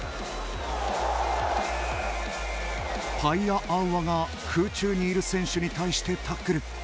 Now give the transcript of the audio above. パイアアウアが空中にいる選手に対してタックル。